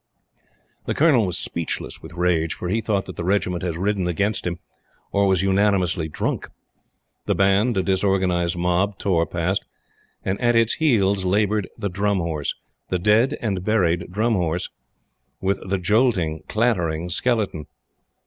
The Colonel was speechless with rage, for he thought that the Regiment had risen against him or was unanimously drunk. The Band, a disorganized mob, tore past, and at it's heels labored the Drum Horse the dead and buried Drum Horse with the jolting, clattering skeleton.